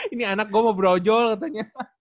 ini anak gue mau brojol katanya